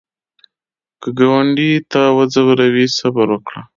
که ګاونډي تا وځوروي، صبر وکړه